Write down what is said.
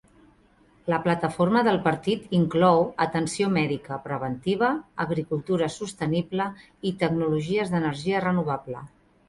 La plataforma del partit inclou atenció mèdica preventiva, agricultura sostenible i tecnologies d'energia renovable.